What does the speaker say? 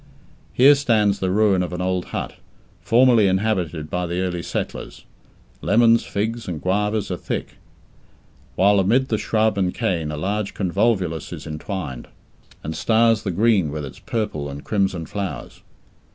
Here stands the ruin of an old hut, formerly inhabited by the early settlers; lemons, figs, and guavas are thick; while amid the shrub and cane a large convolvulus is entwined, and stars the green with its purple and crimson flowers.